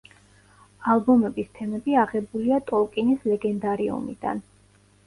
ალბომის თემები აღებულია ტოლკინის ლეგენდარიუმიდან.